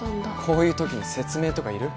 「こういうときに説明とかいる？」